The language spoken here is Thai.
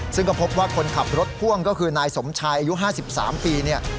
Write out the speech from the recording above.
ซึ่งก็พบว่าคนขับรถพ่วงก็คือนายสมชายอายุ๕๓ปีเนี่ย